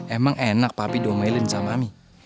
emang enak papi domelin sama mie